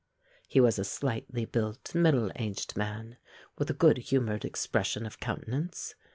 He was a slightly built, middle aged man, with a good humoured expression of countenance.